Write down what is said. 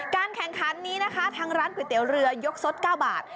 แข่งขันนี้นะคะทางร้านก๋วยเตี๋ยวเรือยกสด๙บาท